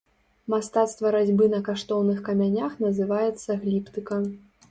Мастацтва разьбы на каштоўных камянях называецца гліптыка.